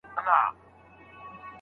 که په تورو پوه سې نو پوهه دې زیاته ده.